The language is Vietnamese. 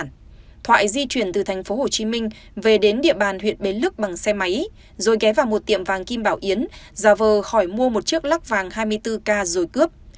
nguyễn hữu thoại di chuyển từ thành phố hồ chí minh về đến địa bàn huyện bến lức bằng xe máy rồi ghé vào một tiệm vàng kim bảo yến giả vờ khỏi mua một chiếc lắc vàng hai mươi bốn k rồi cướp